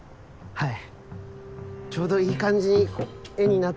はい。